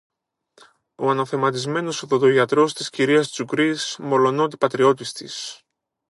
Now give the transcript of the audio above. ο αναθεματισμένος ο οδοντογιατρός της κ. Τσουκρής, μολονότι πατριώτης της,